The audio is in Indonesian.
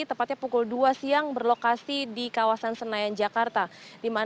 tepatnya pukul dua siang berlokasi di kawasan senayan jakarta